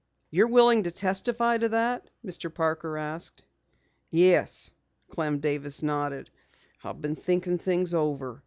"You're willing to testify to that?" Mr. Parker asked. "Yes," Clem Davis nodded, "I've been thinking things over.